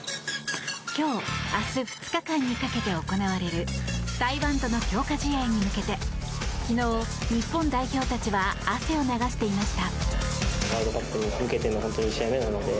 今日、明日２日間にかけて行われる台湾との強化試合に向けて昨日、日本代表たちは汗を流していました。